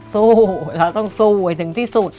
สู้เราต้องสู้ให้ถึงที่สุด